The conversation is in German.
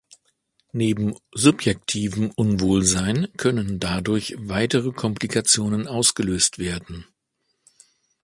Neben subjektivem Unwohlsein können dadurch weitere Komplikationen ausgelöst werden.